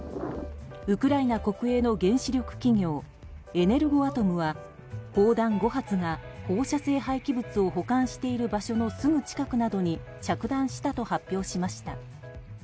ウクライナ国営の原子力企業エネルゴアトムは砲弾５発が放射性廃棄物を保管している場所のすぐ近くなどに着弾したと発表しました。